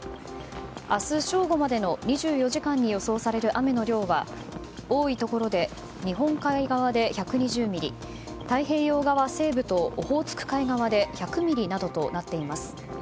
明日正午までの２４時間に予想される雨の量は多いところで日本海側で１２０ミリ太平洋側西部とオホーツク海側で１００ミリなどとなっています。